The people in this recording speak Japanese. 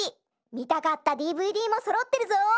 みたかったＤＶＤもそろってるぞ！